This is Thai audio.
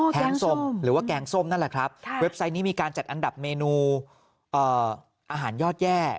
แกงส้มหรือว่าแกงส้มนั่นแหละครับเว็บไซต์นี้มีการจัดอันดับเมนูอาหารยอดแย่